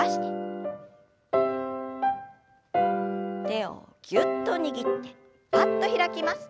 手をぎゅっと握ってぱっと開きます。